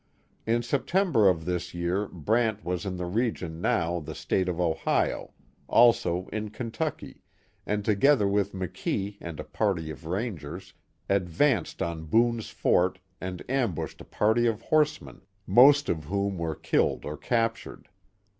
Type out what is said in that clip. In September of this year Brant was in the region now the State of Ohio, also in Kentucky, and, together with McKee and a party of Rangers, advanced on Boone's Fort and ambushed a party of horsemen, most of whom were killed or captured.